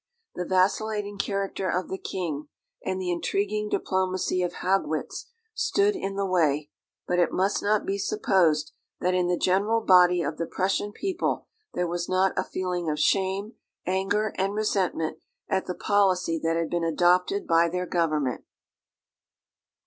The vacillating character of the King and the intriguing diplomacy of Haugwitz stood in the way; but it must not be supposed that in the general body of the Prussian people there was not a feeling of shame, anger, and resentment at the policy that had been adopted by their Government.